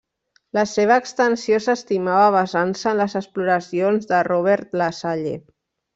La seva extensió s'estimava basant-se en les exploracions de Robert La Salle.